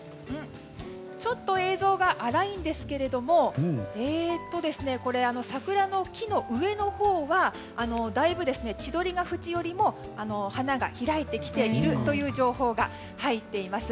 ちょっと映像が粗いんですが桜の木の上のほうはだいぶ千鳥ケ淵よりも花が開いてきているという情報が入っています。